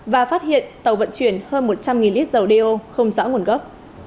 và phát hiện tàu vận chuyển hơn một trăm linh lít dầu đeo không rõ nguồn gốc